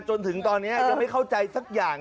จนถึงตอนนี้ยังไม่เข้าใจสักอย่าง